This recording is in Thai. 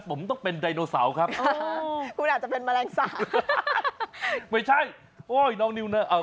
จะเป็นแมลงสาไม่ใช่โอ้ยน้องนิวน่ะอ่า